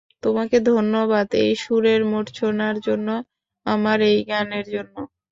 তোমাকে ধন্যবাদ এই সুরের মূর্ছনার জন্য, আমার এই গানের জন্য!